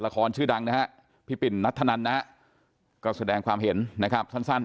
ละครชื่อดังนะฮะพี่ปิ่นนัทธนันนะฮะก็แสดงความเห็นนะครับสั้น